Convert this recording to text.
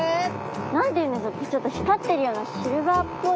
何て言うんでしょうちょっと光っているようなシルバーっぽい。